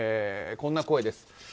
こんな声です。